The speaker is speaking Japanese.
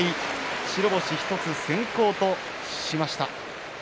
白星１つ先行としました。